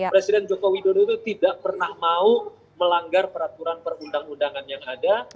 presiden joko widodo itu tidak pernah mau melanggar peraturan perundang undangan yang ada